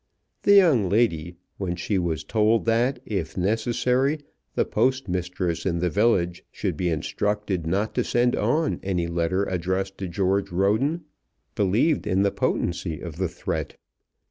The young lady, when she was told that, if necessary, the postmistress in the village should be instructed not to send on any letter addressed to George Roden, believed in the potency of the threat.